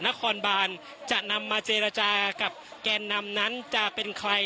นครบานจะนำมาเจรจากับแกนนำนั้นจะเป็นใคร